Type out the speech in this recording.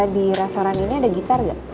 berasaran ini ada gitar gak